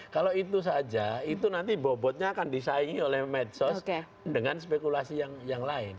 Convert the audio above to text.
kalau itu saja itu nanti bobotnya akan disaingi oleh medsos dengan spekulasi yang lain